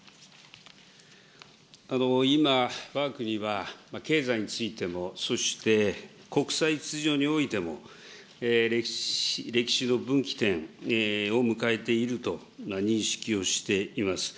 今、わが国は経済についても、そして国際秩序においても、歴史の分岐点を迎えていると認識をしています。